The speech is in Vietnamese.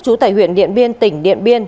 chú tải huyện điện biên tỉnh điện biên